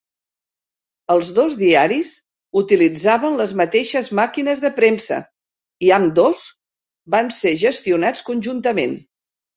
Els dos diaris utilitzaven les mateixes màquines de premsa, i ambdós van ser gestionats conjuntament.